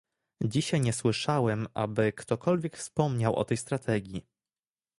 Dzisiaj nie słyszałem, aby ktokolwiek wspomniał o tej strategii